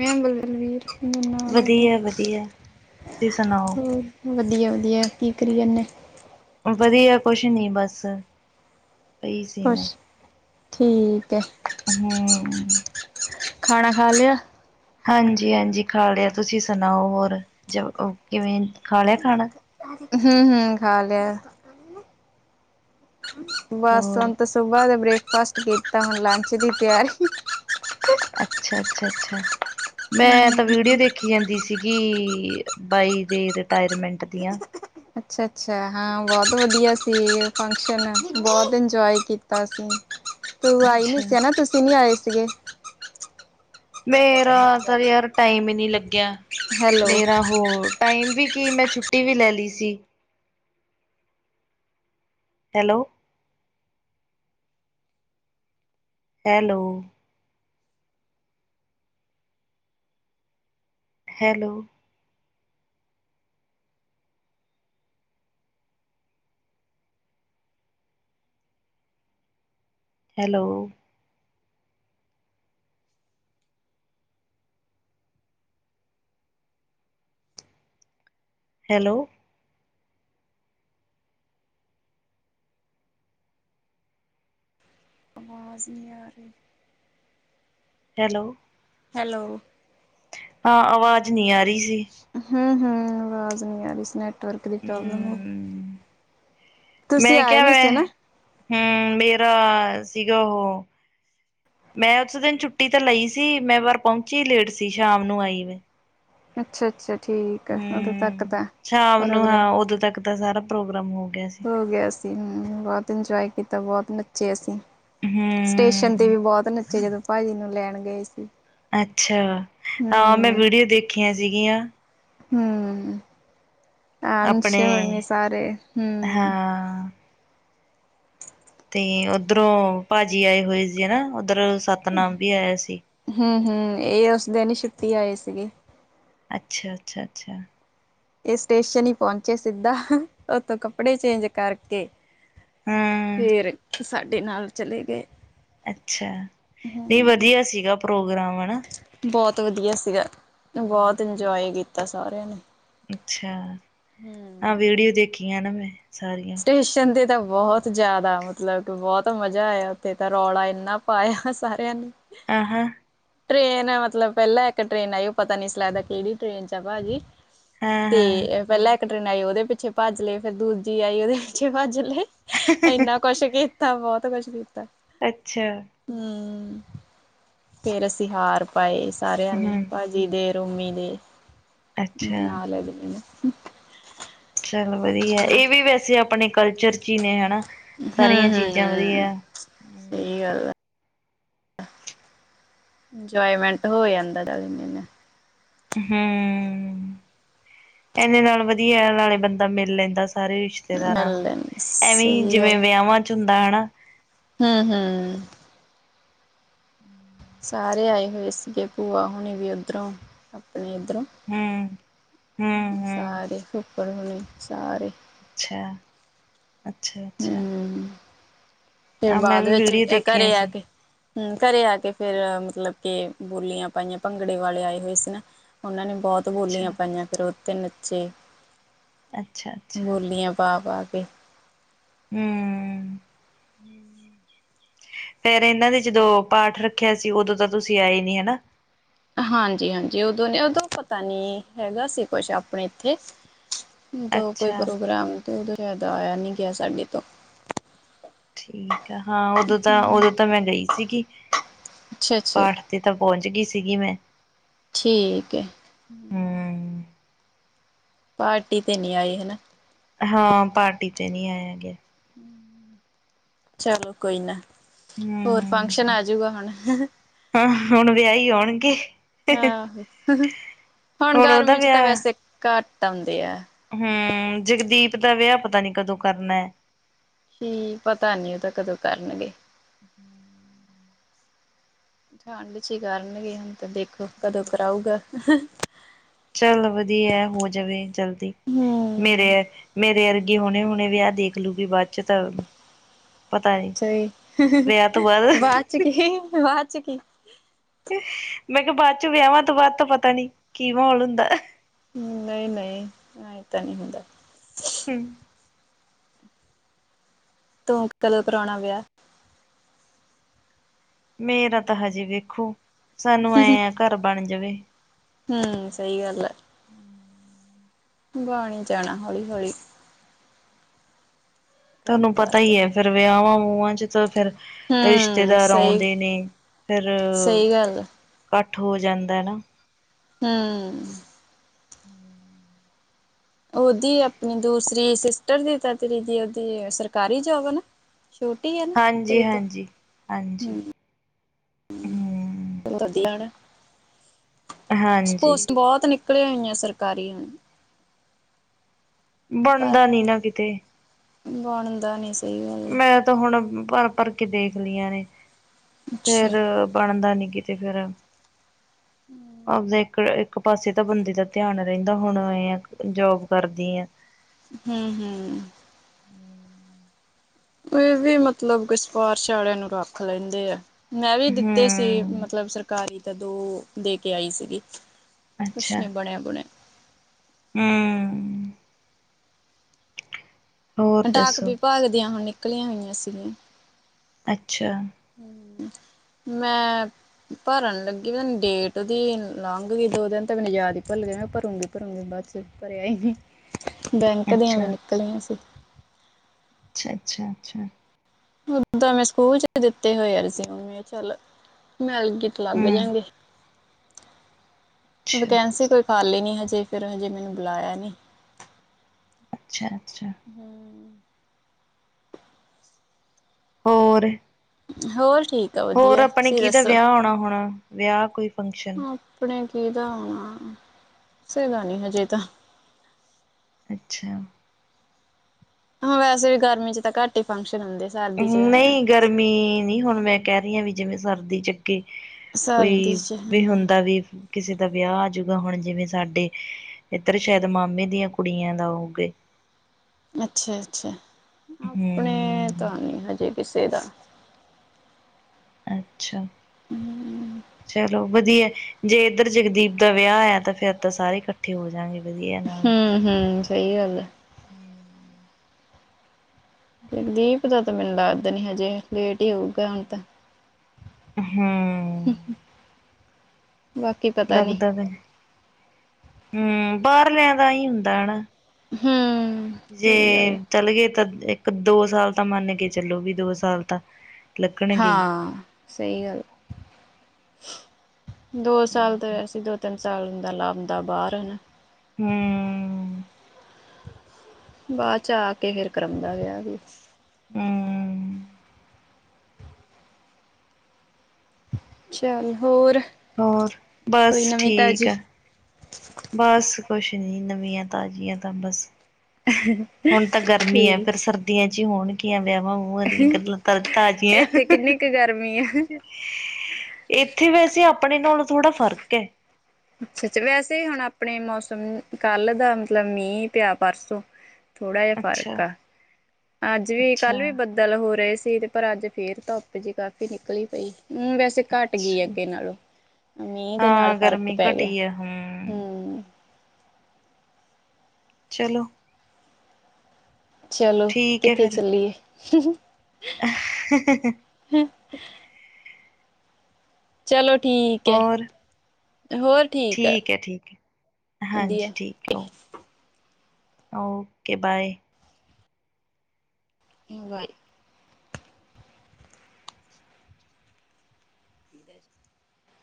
Hello ਵਧੀਆ ਵਧੀਆ ਤੁਸੀਂ ਸੁਣਾਓ ਹੋਰ ਵਧੀਆ ਵਧੀਆ ਕੀ ਕਰੀ ਜਾਨੇ ਵਧੀਆ ਕੁਛ ਨੀ ਬਸ ਪਈ ਸੀ ਕੁਛ ਮੈਂ ਠੀਕ ਹੈ। ਹੂੰ ਖਾਣਾ ਖਾ ਲਿਆ ਹਾਂਜੀ ਹਾਂਜੀ ਖਾ ਲਿਆ ਤੁਸੀਂ ਸੁਣਾਓ ਹੋਰ ਜ ਕਿਵੇਂ ਖਾ ਲਿਆ ਖਾਣਾ। ਹੂੰ ਹੂੰ ਖਾ ਲਿਆ। ਬਸ ਹੋਰ ਹੁਣ ਤੇ ਸੁਬਾ ਦੇ ਬ੍ਰੇਕ ਫਾਂਸਟ ਕੀਤਾ ਹੁਣ ਲੰਚ ਦੀ ਤਿਆਰੀ ਅੱਛਾ ਅੱਛਾ ਅੱਛਾ ਮੈਂ ਤਾਂ ਵੀਡੀਓ ਦੇਖੀ ਜਾਂਦੀ ਸੀ। ਕੀ ਬਾਈ ਦੇ ਰਿਟਾਇਰਮੈਂਟ ਦੀਆਂ ਅੱਛਾ ਅੱਛਾ ਹਾਂ ਬਹੁਤ ਵਧੀਆ ਸੀ ਫੰਕਸ਼ਨ ਬਹੁਤ ਇੰਜੋਏ ਕੀਤਾ ਸੀ। ਤੂੰ ਆਈ ਨੀ ਅੱਛਾ ਸੀ ਹੇਨਾ ਤੁਸੀਂ ਨੀ ਆਏ ਸੀ। [unintelligible] ਮੇਰਾ ਤਾ ਯਾਰ ਟਾਈਮ ਹੀ ਨੀ ਲੱਗ ਗਿਆ ਹੈਲੋ ਮੇਰਾ ਹੋਰ ਟਾਈਮ ਵੀ ਕਿ ਮੈਂ ਛੁੱਟੀ ਵੀ ਲੈ ਲਈ ਸੀ। Hello hello hello hello hello ਆਵਾਜ਼ ਨਹੀਂ ਆ ਰਹੀ। ਹੈਲੋ ਹੈਲੋ ਹਾਂ ਆਵਾਜ਼ ਨਹੀ ਆ ਰਹੀ ਸੀ। ਹਮ ਹਮ ਆਵਾਜ਼ ਨਹੀਂ ਆਨੈ ਨੈੱਟਵਰਕ ਦੀ ਪ੍ਰੋਬਲਮ ਹੈ। ਹਮ ਮੈਂ ਕਿਹਾਿਆ ਮੈਂ ਹਮ ਮੇਰਾ ਸੀਗਾ। ਉਹ ਮੈਂ ਉਸ ਦਿਨ ਛੁੱਟੀ ਤਾਂ ਲਈ ਸੀ। ਮੈਂ ਵਾਰ ਪਹੁੰਚੀ ਲੇਟ ਸੀ। ਸ਼ਾਮ ਨੂੰ ਆਈ ਮੈਂ ਅੱਛਾ ਅੱਛਾ ਹਮ ਸ਼ਾਮ ਨੂੰ। ਪ੍ਰੋਗਰਾਮ ਹਾਂ ਉਦੋਂ ਤੱਕ ਤਾਂ ਸਾਰਾ ਪ੍ਰੋਗਰਾਮ ਹੋ ਗਿਆ। ਸੀ ਹੋ ਗਿਆ ਸੀ। ਹਮ ਬਹੁਤ ਇੰਜੋਏ ਕੀਤਾ ਤਾਂ ਬਹੁਤ ਨੱਚੇ ਅਸੀਂ ਸਟੇਸ਼ਨ ਤੇ ਹਮ ਵੀ ਬਹੁਤ ਨੱਚੇ। ਜਦੋਂ ਭਾਜੀ ਨੂੰ ਲੈਣ ਗਏ ਸੀ। ਅੱਛਾ। ਹਾਂ ਮੈਂ ਵੀਡੀਓ ਦੇਖੀਆਂ ਸੀਗੀਆਂ। ਹਮ ਆਹ ਅੰਸ਼ ਆਪਣੇ ਹੋਨੀ ਸਾਰੇ ਹਮ ਹਾਂ ਤੇ ਉੱਧਰੋਂ ਭਾਜੀ ਆਏ ਹੋਏ ਸੀ ਹਨਾ। ਉੱਧਰ ਸਤਨਾਮ ਵੀ ਆਇਆ ਸੀ। ਹਮ, ਇਹ ਉਸ ਦਿਨ ਹੀ ਛੁੱਤੀ ਆਈ ਸੀਗੀ ਅੱਛਾ, ਅੱਛਾ ਅੱਛਾ। ਇਹ ਸਟੇਸ਼ਨ ਹੀ ਪਹੁੰਚੇ ਸਿੱਧਾ ਓਥੋਂ ਕੱਪੜੇ ਚੇਂਜ ਕਰਕੇ। ਹਮ ਫੇਰ ਸਾਡੇ ਨਾਲ ਚਲੇ ਗਏ ਅੱਛਾ ਨਹੀਂ। ਵਧੀਆ ਸੀਗਾ ਪ੍ਰੋਗਰਾਮ ਹਨਾ। ਬਹੁਤ ਵਧੀਆ ਸੀਗਾ। ਬਹੁਤ ਇੰਜੋਏ ਕੀਤਾ ਸੀ ਸਾਰਿਆਂ ਨੇ ਅੱਛਾ, ਹੂੰ। ਹਾਂ। ਵੀਡੀਓ ਦੇਖੀ। ਨਾ ਮੈਂ ਸਾਰੀਆਂ ਸਟੇਸ਼ਨ ਤੇ ਤਾਂ ਬਹੁਤ ਜਿਆਦਾ ਮਤਲਬ ਕਿ ਬਹੁਤ ਮਜ਼ਾ ਆਇਆ। ਉੱਥੇ ਤਾਂ ਰੌਲਾ ਇੰਨਾ ਪਾਇਆ ਸਾਰਿਆਂ ਨੇ ਆਹ ਹਾਂ ਟ੍ਰੇਨ ਮਤਲਬ। ਪਹਿਲਾਂ ਇੱਕ ਟ੍ਰੇਨ ਆਈ। ਉਹ ਪਤਾ ਨੀ ਸੀ ਲਗਦਾ ਕਿਹੜੀ ਟੇਨ ਚ ਆ ਭਾਜੀ। ਹਾਂ ਹਾਂ ਤੇ ਪਹਿਲਾਂ ਏਕ ਟ੍ਰੇਨ ਆਈ ਉਹਦੇ ਪਿੱਛੇ ਭੱਜ ਲਏ। ਫਿਰ ਦੂਜੀ ਆਈ ਉਹਦੇ ਪਿੱਛੇ ਭੱਜ ਲਏ। ਇਨਾ ਕੁਸ਼ ਕੇ ਤਾਂ ਬਹੁਤ ਕਛ ਹਮ ਅੱਛਾ ਹਮ ਫੇਰ ਅਸੀਂ ਹਾਰ ਪਾਏ ਸਾਰਿਆਂ ਨੇ ਹੂੰ ਭਾਜੀ ਦੇ ਰਮੀਲੇ ਹਮ ਅੱਛਾ ਨਾਲ ਲ ਨੇ ਅਠ ਚੱਲ ਵਧੀਆ ਇਹ ਵੀ ਵੈਸੇ ਆਪਣੇ ਕਲਚਰ ਚ ਹੀ ਨੇ ਹਨਾ ਸਾਰੀਆਂ ਹਮ ਹਮ। ਚੀਜ਼ਾਂ ਹਮ ਵਧੀਆ ਸਹੀ ਹੂੰ ਗੱਲ ਆ। ਇੰਜੋਏਮੈਂਟ ਹੋ ਜਾਂਦਾ ਹਮ, ਇਹੇ ਨਾਲ ਵਧੀਆ ਨਾਲੇ ਬੰਦਾ ਮਿਲ ਲੈਂਦਾ। ਸਾਰੇ ਰਿਸ਼ਤੇਦਾਰਾਂ ਨੂੰ ਬੈਲੈਂਸ, ਐਵੇਂ ਸਹੀ ਗੱਲ ਜਿਵੇਂ ਵਿਆਹਾਂ ਚ ਹੁੰਦਾ। ਹਨਾ? ਹ ਹਮ ਹਮ ਸਾਰੇ ਆਏ ਹੋਏ ਸੀਗੇ। ਭੂਆ ਹੁਣੀ ਵੀ, ਉਧਰੋਂ ਆਪਣੇ ਇੱਧਰੋਂ ਹੂੰ ਹੂੰ ਹੂੰ ਸਾਰੇ ਸੁ ਪੜ ਬਣੀ ਸਾਰੇ ਅੱਛਾ ਅੱਛਾ ਅੱਛਾ। ਹਮ ਫਿਰ ਹਾਂ ਮੈਂ ਬਾਅਦ ਵੀ ਵਿੱਚ ਵੀਡੀਓ ਦੇਖੀਆਂ ਘਰੇ ਆ ਸੀ ਕੇ ਹਮ। ਘਰੇ ਆ ਕੇ ਫੇਰ ਮਤਲਬ ਕੇ ਬੋਲੀਆਂ ਪਾਈਆਂ, ਭੰਗੜੇ ਵਾਲੇ ਆਏ ਹੋਏ ਸੀ ਨਾ। ਉਹਨਾਂ ਨੇ ਬਹੁਤ ਅੱਛਾ ਬੋਲੀਆਂ ਪਾਈਆਂ ਫਿਰ ਤੇ ਨੱਚੇ ਅੱਛਾ ਅੱਛਾ ਬੋਲੀੀਆਂ ਪਾ ਪਾ ਵੀ ਹਮ ਹਮ ਫੇਰ ਇਹਨਾਂ ਦੇ ਜਦੋਂ ਪਾਠ ਰੱਖਿਆ ਸੀ। ਉਦੋਂ ਤਾਂ ਤੁਸੀਂ ਆਏ ਨੀ ਹੈ ਹਾਂਜੀ ਹਾਂਜੀ। ਉਦੋਂ ਨੇ ਉਦੋਂ ਪਤਾ ਨੀ ਹੈਗਾ ਸੀ ਕੁਛ। ਆਪਣੇ ਇੱਥੇ ਤੋਂ ਕੋਈ ਅੱਛਾ ਪ੍ਰੋਗਰਾਮ ਉਹਦੋਂ ਫਿਰ ਆਇਆ ਨਹੀਂ ਗਿਆ ਸਾਡੇ ਤੋਂ ਠੀਕ ਆ। ਹਾਂ ਉਦੋਂ ਤਾਂ ਉਦੋਂ ਤਾਂ ਮੈਂ ਗਈ ਸੀਗੀ। ਅੱਛਾ ਅੱਛਾ ਪਾਠ ਤੇ ਤਾਂ ਪਹੁੰਚ ਗਈ ਸੀ ਸੀਗੀ ਮੈਂ ਠੀਕ ਹੈ ਹੂੰ ਪਾਰਟੀ ਤੇ ਨੀ ਆਏ ਹਨਾ ਹਾਂ ਪਾਰਟੀ ਤੇ ਨਹੀਂ ਆਇਆ ਗਿਆ। ਚਲੋ ਕੋਈ ਨਾ ਹੋਰ ਫੰਕਸ਼ਨ ਹੂੰ ਆਜੂਗਾ ਹੁਣ ਹਾਂ ਹੁਣ ਵਿਆਹੀ ਆਉਣਗੇ। ਆਹੋ ਹੁਣ ਗਰਮੀ ਚ ਤਾਂ ਵੈਸੇ ਘਟ ਹ ਹਮ ਜਗਦੀਪ ਦਾ ਵਿਆਹ ਪਤਾ ਨੀ ਕਦੋਂ ਕਰਨਾ। ਕੀ ਪਤਾ ਨੀ ਉਹ ਤਾਂ ਕਦੋਂ ਕਰਨਗੇ। ਠੰਡ ਚ ਹੀ ਕਰਨਗੇ ਹੁਣ ਤੇ ਦੇਖੋ ਕਦੋਂ ਕਰਾਊਗਾ। ਚੱਲ ਵਧੀਆ ਹੋ ਜਾਵੇ ਜਲਦੀ ਮੇਰੇ ਹਮ ਮੇਰੇ ਯਰ। ਇਹ ਹੁਣੇ ਹੁਣੇ ਵਿਆਹ ਦੇਖ ਲੂਗੀ ਬਾਅਦ ਚ ਤਾਂ ਪਤਾ ਨੀ ਸਹੀ ਵਿਆਹ ਤੋਂ ਬਾਅਦ ਬਾਦ ਚ ਕੀ ਬਾ ਚ ਕੀ ਮੈਂ ਕਿਹਾ ਬਾਅਦ ਚ ਵਿਆਹਵਾਂ ਤੋਂ ਬਾਅਦ ਤਾਂ ਪਤਾ ਨੀ ਕੀ ਮਾਹੌਲ ਹੁੰਦਾ। ਨਹੀਂ, ਨਹੀਂ ਇਹ ਤਾਂ ਨਹੀ ਹੁੰਦਾ। ਹਮ ਤੂੰ ਕਦੋਂ ਕਰਾਉਣਾ ਵਿਆਹ। ਮੇਰਾ ਤਾਂ ਹਜੇ ਵੇਖੋ। ਸਾਨੂੰ ਐਂ ਆ ਘਰ ਬਣ ਜਾਵੇ। ਹਮ ਸਹੀ ਗੱਲ। ਹਮ। ਬਾਣੀ ਜਾਣਾ ਹੌਲੀ ਹੌਲੀ। ਘਰ ਤੁਹਾਨੂੰ ਬਾਰ ਪਤਾ ਤਾਂ ਹੀ ਹੈ ਫੇਰ ਵਿਆਹ ਵਾਂ ਵ ਆਂ ਚ ਫਿਰ ਹਮ ਰਿਸ਼ਤੇਦਾਰ ਸਹੀ ਆਉਂਦੇ ਨੇ ਫੇਰ ਕੱਠ ਸਹੀ ਗੱਲ ਕੱਠ ਹੋ ਜਾਂਦਾ ਨਾ ਹਮ ਹਮ ਉਦੀ ਆਪਣੀ ਦੂਸਰੀ ਸਿਸਟਰ ਦੀ ਤੇਰੀ ਦੀ ਉਹਦੀ ਸਰਕਾਰੀ ਜੋਬ ਹੈ ਨਾ ਛੋਟੀ ਹੈ ਨਾ ਹਾਂਜੀ, ਤੇਰੇ ਤੋਂ ਹਾਂਜੀ ਹਾਂਜੀ ਹਮ ਹਮ ਵਧੀਆ ਨਾ। ਹਾਂਜੀ ਸਪੋਰਸ ਬਹੁਤ ਨ ਪੜੇ ਹੋਆਂ ਸਰਕਾਰੀ ਹੋ ਬਣਦਾ ਨੀ ਨਾ ਕਿਤੇ ਬਣਦਾ ਨੀ ਸ ਮੇਰਾ ਤਾਂ ਹੁਣ ਭਰ ਭਰ ਕੇ ਦੇਖ ਲਈਆਂ ਨੇ ਅੱਛਾ ਫੇਰ ਬਣਦਾ ਨੀ ਕੀ- ਤੇ ਗਰਮ ਹਜੇ ਇਕ ਐ ਇੱਕ ਪਾਸੇ ਤਾਂ ਬੰਦੇ ਦਾ ਧਿਆਨ ਰੇਂਦਾ ਹੁਣ ਏਆਂ ਜੋਬ ਕਰਦੀ ਆਂ। ਹੂੰ ਹੂੰ ਏ ਵੀ ਮਤਲਬ ਕੋਈ ਸ਼ਪਾਰਸ਼ ਆਲਿਆਂ ਨੂੰ ਰੱਖ ਲੈਂਦੇ ਐ ਮੈਂ ਵੀ ਦਿੱਤੇ ਸੀ ਹੂੰ ਮਤਲਬ ਸਰਕਾਰੀ- ਤਦੋਂ ਦੇ ਕੇ ਆਈ ਸੀਗੀ। ਕੁਛ ਅੱਛਾ ਨੀ ਬਣਿਆ ਬੁਣਿਆ। ਹੂੰ ਹੋਰ ਡਾਕ ਦੱਸੋ ਵਿਭਾਗ ਦੀਆਂ ਹੁਣ- ਨਿਕਲੀਆਂ ਹੋਈਆਂ ਸੀਗੀਆਂ। ਅੱਛਾ ਹ ਮੈਂ ਭਰਨ ਲੱਗੀ ਮ ਡੇਟ ਦੀ ਲੰਘ ਗਈ ਦੋ ਦਿਨ ਤੇ ਮੈਨੂੰ ਯਾਦ ਈ ਭੁਲ ਗਿਆ। ਭਰੂਗੀ -ਭਰੂਗੀ ਬਾਅਦ ਚ ਭਰਿਆ ਈ ਨੀ। ਬੈਂਕ ਦੀਆਂ ਵੀ ਅੱਛਾ ਨਿਕਲੀਆਂ ਸੀ। ਅੱਛਾ -ਅੱਛਾ ਓਦਾ ਮੈਂ ਸਕੂਲ ਚ ਦਿੱਤੇ ਹੋਏ ਰਜਊਮ ਚੱਲ ਮਿਲ- ਕਿਤਾ ਲੱਗ ਹੂੰ ਜਾਂਗੇ। ਅੱਛਾ ਵਕੈਂਸੀ ਕੋਈ- ਖਾਲੇ ਨੀ ਹਜੇ ਫਿਰ ਹਜੇ ਮੈਨੂੰ ਬੁਲਾਇਆ ਨੀ ਅੱਛਾ ਅੱਛਾ ਹੂੰ ਹੋਰ ਹੋਰ ਠੀਕ ਆ ਹੋਰ ਵਧੀਆ ਆਪਣੇ ਤੁਸੀਂ ਕਿਦਾ ਦੱਸੋ ਵਿਆਹ ਓਣਾ ਹੁਣ ਵਿਆਹ ਕੋਈ- ਫੰਕਸ਼ਨ ਆਪਣੇ ਕੀਦਾ ਓਣਾ ਕਿਸੇ ਦਾ ਨੀ ਹਜੇ ਤਾਂ। ਅੱਛਾ ਹਾਂ ਵੈਸੇ ਵੀ ਗਰਮੀ' ਚ ਤਾਂ ਘੱਟ ਈ ਫੰਕਸ਼ਨ- ਹੁੰਦੇ ਸਰਦੀ ਚ ਨਈ ਗਰਮੀ - ਪੈ ਰਿਹਾ ਆ ਜਿਵੇਂ ਸਰਦੀ ਚ ਕੇ ਕੋਈ ਸਰਦੀ ਚ ਵੀ ਹਮ ਹੁੰਦਾ ਵੀ- ਕਿਸੇ ਦਾ ਵਿਆਹ ਆਜੂਗਾ ਹੁਣ ਜਿਵੇਂ ਸਾਡੇ ਏਧਰ ਸ਼ੈਦ ਮਾਮੇ ਦੀਆਂ ਕੁੜੀਆਂ ਦਾ ਹੋਗੇ ਅੱਛਾ ਅੱਛਾ ਆਪਣੇ ਹਮ ਤਾਂ ਨੀ ਹਜੇ ਕਿਸੇ- [unintelligible] ਅੱ ਅੱਛਾ, ਚਲੋ। ਵਧੀਆ, ਜੇ ਇੱਧਰ ਜਗਦੀਪ ਦਾ ਵਿਆਹ ਹੋਯਾ ਤੇ, ਫੇਰ ਤਾਂ ਸਾਰੇ ਇਕੱਠੇ ਹੋ ਜਾਂਗੇ। ਹੂੰ -ਹੂੰ। ਸਹੀ ਗੱਲ ਹੈ। ਹੂੰ। ਦੀਪ ਦਾ ਤਾਂ ਮੈਨੂੰ ਲੱਗਦਾ ਨੀ ਹਜੇ ਲੇਟ ਹੀ ਹੋਊਗਾ ਹੁਣ ਤਾਂ। ਹਾਂ। ਬਾਕੀ ਪਤਾ ਨੀ ਲੱਗਦਾ ਵਾ ਹੂੰ। ਬਾਹਰਲਿਆਂ ਦਾ ਹੀ ਹੁੰਦਾ ਹੈਨਾ। ਹੂੰ। ਜੇ ਸਹੀ ਗੱਲ ਚੱਲੇ ਗਏ ਤਾਂ ਇੱਕ- ਦੋ ਸਾਲ ਤਾਂ ਮੰਨ ਕੇ ਚਲੋ ਵੀ ਦੋ ਸਾਲ ਤਾਂ ਲੱਗਣਗੇ ਹੀ ਹਾਂ, ਸਹੀ ਗੱਲ। ਦੋ ਸਾਲ ਤਾਂ ਵੈਸੇ ਦੋ- ਤਿੰਨ ਸਾਲ ਬਂਦਾ ਲਾਂਦਾ ਬਾਹਰ ਹੈਨਾ। ਹੂੰ। ਬਾਅਦ ਚ ਆ ਕੇ ਫਿਰ ਕਰਾਉਂਦਾ ਵਿਆਹ ਹੂੰ। ਚੱਲ ਹੋਰ ਹੋਰ, ਕੋਈ ਬਸ ਨਵੀਂ ਠੀਕ ਤਾਜ਼ੀ। ਏ। ਨਈ ਨਵੀਆਂ ਤਾਜ਼ੀਆਂ ਤਾਂ ਬਸ ਹੁਣ ਤਾਂ ਗਰਮੀ ਹੈ, ਠੀਕ। ਫਿਰ ਸਰਦੀਆਂ ਚ ਹੋਣਗੀਆਂਵੇ ਇਹਾ-ਉਹਾਦੀ ਗਲਾਂ ਤਾਜ਼ੀਆਂ ਇੱਥੇ ਕਿੰਨੀ ਕੁ ਗਰਮੀ ਆ। ਇੱਥੇ ਵੈਸੇ ਆਪ ਆਪਣੇ ਨਾਲੋਂ ਥੋੜਾ ਫ਼ਰਕ ਹੈ। ਅੱਛਾ-ਅੱਛਾ ਵੈਸੇ ਹੁਣ ਆਪਣੇ ਮੌਸਮ, ਕੱਲ ਦਾ ਮਤਲਬ ਮੀਂਹ ਪਿਆ ਪਰਸੋਂ ਥੋੜਾ ਜਿਹਾ ਅੱਛਾ ਫ਼ਰਕ ਆ। ਅੱਜ ਵੀ, ਕੱਲ ਅੱਛਾ ਵੀ ਬੱਦਲ ਹੋ ਰਹੇ ਸੀ ਤੇ ਪਰ ਅੱਜ ਫੇਰ ਧੁੱਪ ਜਿਹੀ ਕਾਫ਼ੀ ਨਿਕਲੀ ਪਈ। ਹੂੰ ਵੈਸੇ ਘੱਟ ਗਈ ਅੱਛਾ ਅੱਗੇ ਨਾਲੋਂ, ਮੀਂਹ ਦੇ ਨਾਲ ਹਾਂ ਫ਼ਰਕ ਗਰਮੀ ਪੈ ਗਿਆ। ਘਟੀ ਹੈ ਹੂੰ। ਚਲੋ। ਚਲੋ ਕਿੱਥੇ ਚੱਲੀਏ? ਹੂੰ -ਹੂੰ ਹੇ- ਹੇ ਚਲੋ। ਠੀਕ ਹੈ ਹੋਰ ਹੋਰ ਆ ਠੀਕ ਹੈ ਠੀਕ ਹੈ ਹਾਂਜੀ ਵਧੀਆ ਠੀਕ ਹੈ ਔ। Okay bye. ਬਾਏ।